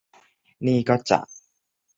นี่ก็จะ